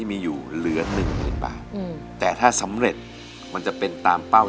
สู้หรือเปล่า